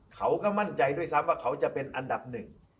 เขาก็มั่นใจด้วยซ้ำว่าเขาจะเป็นอันดับหนึ่ง